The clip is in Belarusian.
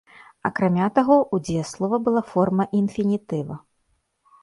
Акрамя таго, у дзеяслова была форма інфінітыва.